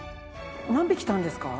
何尾来たんですか？